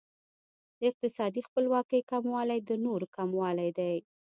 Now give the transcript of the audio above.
د اقتصادي خپلواکۍ کموالی د نورو کموالی دی.